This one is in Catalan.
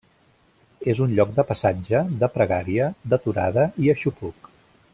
És un lloc de passatge, de pregària, d'aturada i aixopluc.